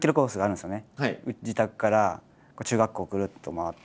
自宅から中学校をぐるっと回って。